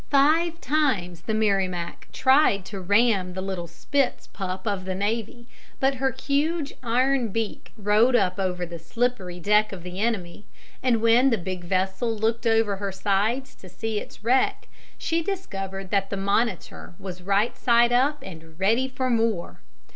Five times the Merrimac tried to ram the little spitz pup of the navy, but her huge iron beak rode up over the slippery deck of the enemy, and when the big vessel looked over her sides to see its wreck, she discovered that the Monitor was right side up and ready for more.